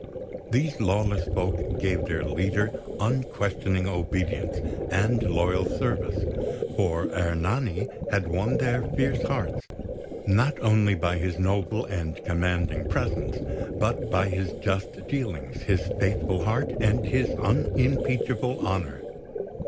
These lawless folk gave their leader unquestioning obedience and loyal service; for Ernani had won their fierce hearts, not only by his noble and commanding presence, but by his just dealings, his faithful heart, and his unimpeachable honour.